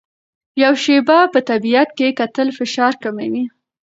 یو شېبه په طبیعت کې کتل فشار کموي.